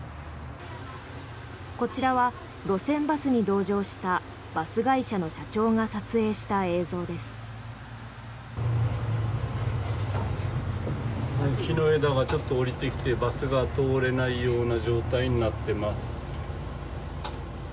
こちらは路線バスに同乗したバス会社の社長が撮影した映像です。